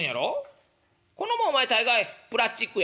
こんなもんお前大概プラッチックやがな」。